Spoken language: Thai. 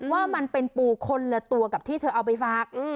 ว่ามันเป็นปูคนละตัวกับที่เธอเอาไปฝาก